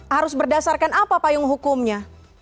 harus berdasarkan apa payung hukumnya